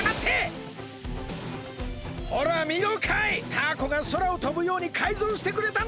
タアコがそらをとぶようにかいぞうしてくれたんだ！